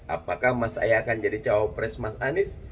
apakah mas ahaye akan jadi cowok pres mas anies